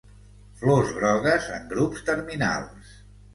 Flors grogues en grups terminals.